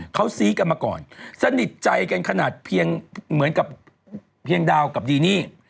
เขาซี้กันมาก่อนสนิทใจกันขนาดเพียงเหมือนกับเพียงดาวกับดีนี่